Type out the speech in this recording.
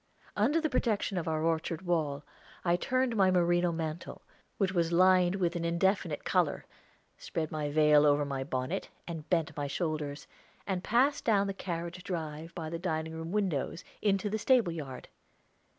Under the protection of our orchard wall I turned my merino mantle, which was lined with an indefinite color, spread my veil over my bonnet, and bent my shoulders, and passed down the carriage drive, by the dining room windows, into the stable yard.